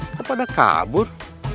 kau pada kabur